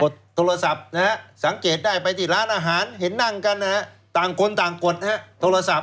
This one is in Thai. โทรศัพท์นะฮะสังเกตได้ไปที่ร้านอาหารเห็นนั่งกันนะฮะต่างคนต่างกดนะฮะโทรศัพท์